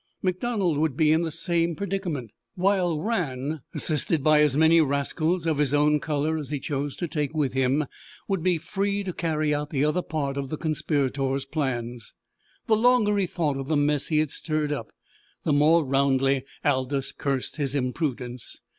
MacDonald would be in the same predicament, while Rann, assisted by as many rascals of his own colour as he chose to take with him, would be free to carry out the other part of the conspirators' plans. The longer he thought of the mess he had stirred up the more roundly Aldous cursed his imprudence.